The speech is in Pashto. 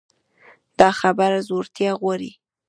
دا خبره زړورتيا غواړي.